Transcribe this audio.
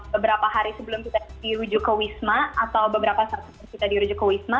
beberapa hari sebelum kita dirujuk ke wisma atau beberapa saat kita dirujuk ke wisma